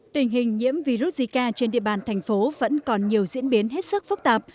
tình hình nhiễm virus zika trên địa bàn tp hcm vẫn còn nhiều diễn biến hết sức phức tạp